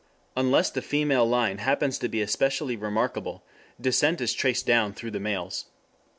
Unless the female line happens to be especially remarkable descent is traced down through the males.